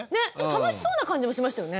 楽しそうな感じもしましたよね。